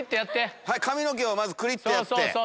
髪の毛をまずくりっとやって。